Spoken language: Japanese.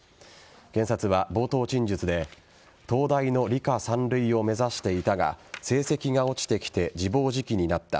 検察は、冒頭陳述で東大の理科三類を目指していたが成績が落ちてきて自暴自棄になった。